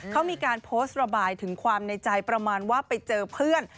เขามีการโพสต์ระบายถึงความในใจประมาณว่าไปเจอเพื่อน